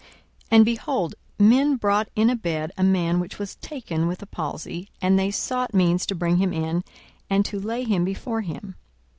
42:005:018 And, behold, men brought in a bed a man which was taken with a palsy: and they sought means to bring him in, and to lay him before him.